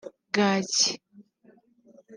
bwaki